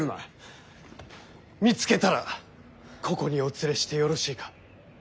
見つけたらここにお連れしてよろしいか。